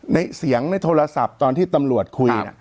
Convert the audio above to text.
ในเสียงในโทรศัพท์ตอนที่ตำรวจคุย